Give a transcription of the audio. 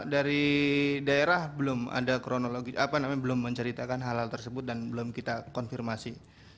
dari daerah belum ada kronologi belum menceritakan hal hal tersebut dan belum kita konfirmasi